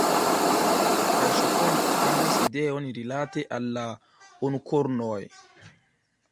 Kaj Ŝokond havis ideon rilate al la unukornoj.